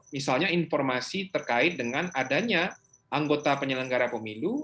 misalnya informasi terkait dengan adanya anggota penyelenggara pemilu